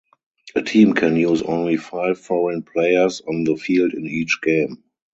A team can use only five foreign players on the field in each game.